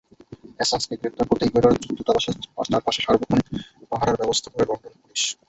অ্যাসাঞ্জকে গ্রেপ্তার করতে ইকুয়েডর দূতাবাসের চারপাশে সার্বক্ষণিক পাহারার ব্যবস্থা করে লন্ডন পুলিশ।